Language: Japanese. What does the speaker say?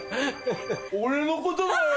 俺のことだよ！